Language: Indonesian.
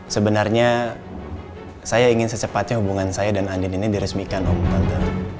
sebenarnya saya ingin secepatnya hubungan saya dan andin ini diresmikan om tante